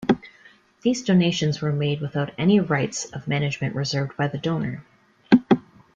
These donations were made without any rights of management reserved by the donor.